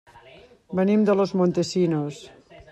Venim de Los Montesinos.